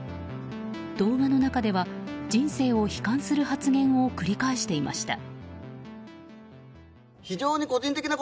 動画の中では人生を悲観する発言を繰り返していました。